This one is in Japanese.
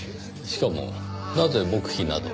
しかもなぜ黙秘など。